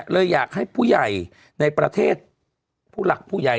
เลยอยากให้ผู้ใหญ่ในประเทศผู้หลักผู้ใหญ่